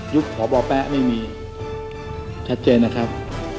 ยุคขอบอแป๊ะไม่มีชัดเจนนะครับ